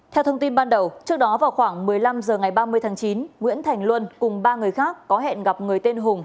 theo thông tin ban đầu trước đó vào khoảng một mươi năm h ngày ba mươi tháng chín nguyễn thành luân cùng ba người khác có hẹn gặp người tên hùng